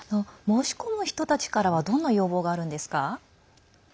申し込む人たちからはどんな要望があるんですか？